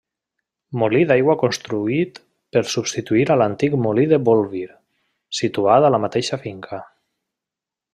Molí d'aigua construït per substituir a l'antic molí de Bolvir, situat a la mateixa finca.